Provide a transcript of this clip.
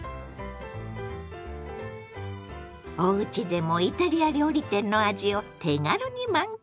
おうちでもイタリア料理店の味を手軽に満喫！